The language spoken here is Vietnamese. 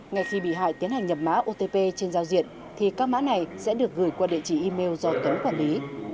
ngay khi bị hại tiến hành nhập mã otp trên giao diện thì các mã này sẽ được gửi qua địa chỉ email do tuấn quản lý